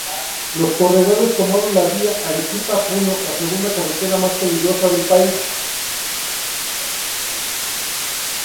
Los corredores tomaron la Vía Arequipa-Puno, la segunda carretera más peligrosa del país.